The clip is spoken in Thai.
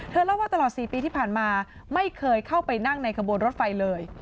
เล่าว่าตลอด๔ปีที่ผ่านมาไม่เคยเข้าไปนั่งในขบวนรถไฟเลย